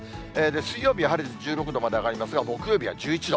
水曜日は晴れて１６度まで上がりますが、木曜日は１１度。